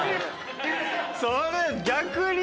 それ。